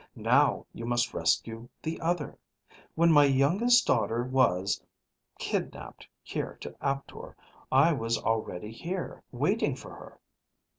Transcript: Now you must rescue the other. When my youngest daughter was ... kidnaped here to Aptor, I was already here, waiting for her.